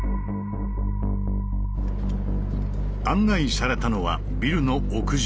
案内されたのはビルの屋上。